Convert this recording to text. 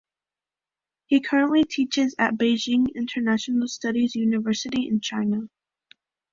He currently teaches at Beijing International Studies University in China.